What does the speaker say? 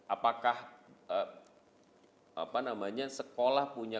apakah apa namanya sekolah punya